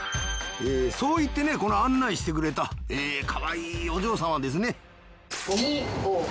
そう言ってねこの案内してくれたかわいいお嬢さんはですね。